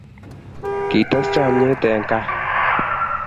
Kites chomyet eng kaa